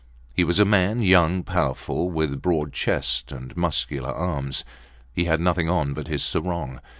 He was a man young, powerful, with broad chest and muscular arms. He had nothing on but his sarong.